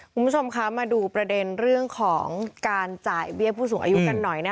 คุณผู้ชมคะมาดูประเด็นเรื่องของการจ่ายเบี้ยผู้สูงอายุกันหน่อยนะคะ